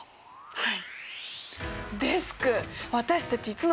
はい。